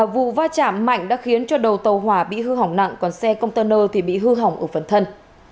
vụ va chạm mạnh đã khiến cho đầu tàu hỏa bị hư hỏng nặng còn xe container thì bị hư hỏng ở phần thân